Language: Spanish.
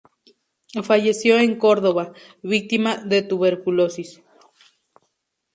Falleció en Córdoba, víctima de tuberculosis.